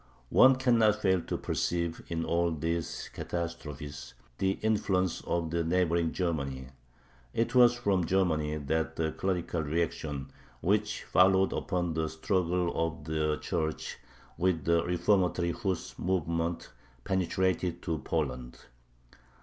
One cannot fail to perceive in all these catastrophes the influence of neighboring Germany. It was from Germany that the clerical reaction which followed upon the struggle of the Church with the reformatory Huss movement penetrated to Poland.